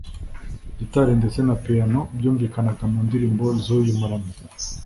gitari ndetse na piano byumvikanaga mu ndirimbo z’uyu muramyi